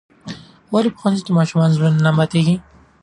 ولې په ښوونځي کې د ماشومانو زړونه نه ماتیږي؟